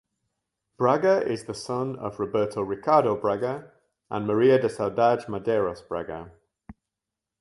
Braga is the son of Roberto Ricardo Braga and Maria da Saudade Medeiros Braga.